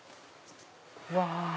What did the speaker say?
うわ！